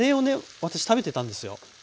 私食べてたんですよ